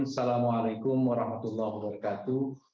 assalamualaikum warahmatullahi wabarakatuh